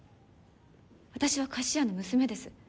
私は菓子屋の娘です。